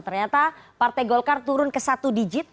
ternyata partai golkar turun ke satu digit